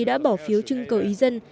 đã bỏ phiếu chưng cầu ý dân